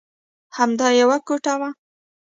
همدا یوه کوټه وه.